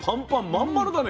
真ん丸だね。